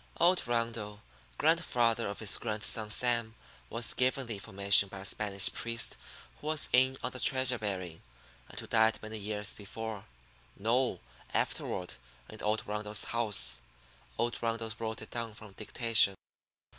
Old Rundle grandfather of his grandson, Sam was given the information by a Spanish priest who was in on the treasure burying, and who died many years before no, afterward in old Rundle's house. Old Rundle wrote it down from dictation.